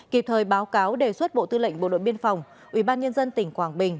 kịp thời báo cáo đề xuất bộ tư lệnh bộ đội biên phòng ubnd tỉnh quảng bình